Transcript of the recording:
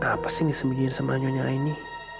apa sih yang disembunyikan sama nyonya aini